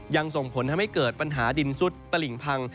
ส่งผลทำให้เกิดปัญหาดินซุดตลิ่งพัง